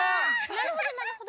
なるほどなるほど。